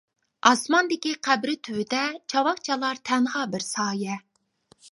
ئاسماندىكى قەبرە تۈۋىدە چاۋاك چالار تەنھا بىر سايە.